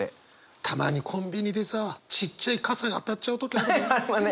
たまにコンビニでさちっちゃい傘当たっちゃう時あるもんね。